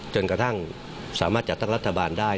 จนกระทั่งสามารถจัดตั้งรัฐบาลได้